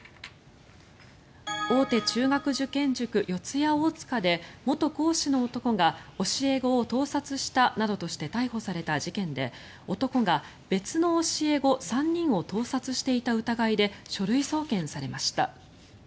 大手中学受験塾、四谷大塚で元講師の男が教え子を盗撮したなどとして逮捕された事件で男が別の教え子３人を盗撮していた疑いで書類送検されました。